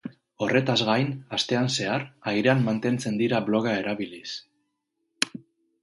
Horretaz gain, astean zehar, airean mantentzen dira bloga erabiliz.